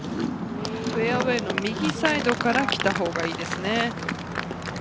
フェアウエーの右サイドから来たほうがいいですね。